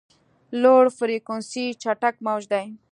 لوړ فریکونسي چټک موج دی.